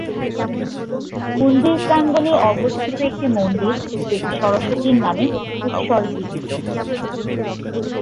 মন্দির প্রাঙ্গণে অবস্থিত একটি মন্দির দেবী সরস্বতীর নামে উৎসর্গীকৃত।